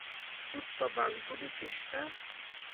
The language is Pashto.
آیا سود په بانکونو کې شته؟